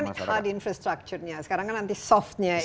ini kan hard infrastructurnya sekarang kan nanti softnya itu